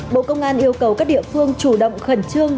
bộ công an yêu cầu các địa phương chủ động khẩn trương